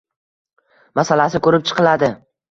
Masalasi ko'rib chiqiladi.